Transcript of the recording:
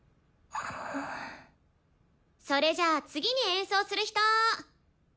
それじゃあ次に演奏する人。